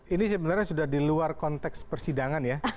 ini sebenarnya sudah di luar konteks persidangan ya